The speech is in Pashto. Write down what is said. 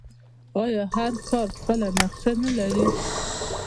آیا هر ښار خپله نقشه نلري؟